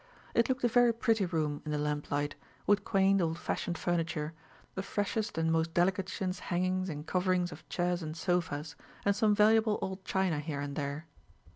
It looked a very pretty room in the lamplight, with quaint old fashioned furniture, the freshest and most delicate chintz hangings and coverings of chairs and sofas, and some valuable old china here and there.